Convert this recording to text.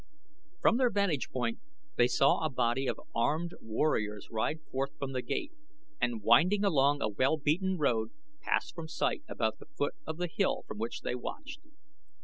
From their vantage point they saw a body of armed warriors ride forth from the gate, and winding along a well beaten road pass from sight about the foot of the hill from which they watched.